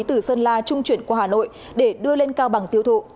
từ sơn la trung chuyển qua hà nội để đưa lên cao bằng tiêu thụ